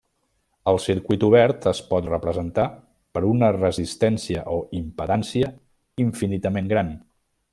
El circuit obert es pot representar per una resistència o impedància infinitament gran.